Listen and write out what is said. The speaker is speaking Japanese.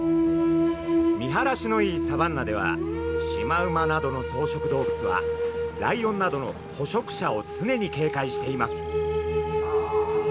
見晴らしのいいサバンナではシマウマなどの草食動物はライオンなどのほしょくしゃを常にけいかいしています。